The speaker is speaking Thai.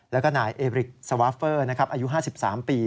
แล้วก็นายเอบริกสวาเฟอร์อายุ๕๓ปี